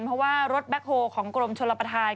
เพราะว่ารถแบ็คโฮลของกรมชลประธาน